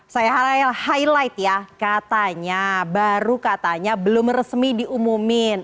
saya highlight ya katanya baru katanya belum resmi diumumin